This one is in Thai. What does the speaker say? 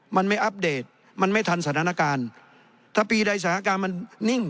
มันไม่อัปเดตมันไม่ทันสถานการณ์ถ้าปีใดสถานการณ์มันนิ่ง